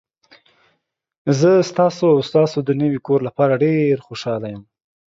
زه ستاسو او ستاسو د نوي کور لپاره ډیر خوشحاله یم.